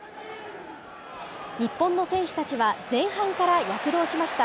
日本の選手たちは、前半から躍動しました。